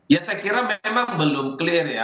ya saya kira memang belum clear ya